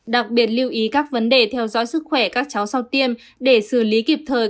đặc biệt lưu ý các vấn đề theo dõi sức khỏe các cháu sau tiêm để xử lý kịp thời